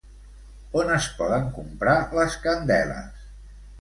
On es poden comprar les candeles?